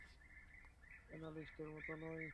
অ্যানালিস্টের মতো নয়।